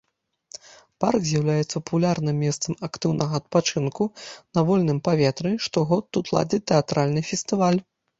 Парк з'яўляецца папулярным месцам актыўнага адпачынку на вольным паветры, штогод тут ладзяць тэатральны фестываль.